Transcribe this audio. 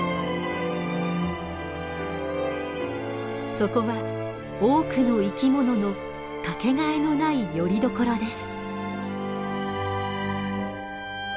そこは多くの生き物の掛けがえのないよりどころです。